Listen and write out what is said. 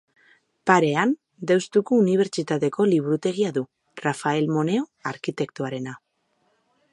Parean Deustuko Unibertsitateko liburutegia du, Rafael Moneo arkitektoarena.